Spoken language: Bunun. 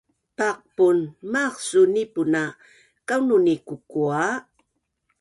paqpun maaq suu nipuna kaunun i kukua